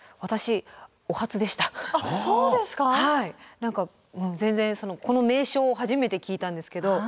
何か全然この名称を初めて聞いたんですけど。